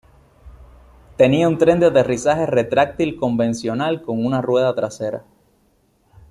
Tenía un tren de aterrizaje retráctil convencional con una rueda trasera.